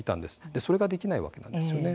それができないわけなんです。